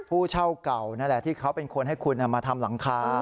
ผู้เช่าเก่านั่นแหละที่เขาเป็นคนให้คุณมาทำหลังคา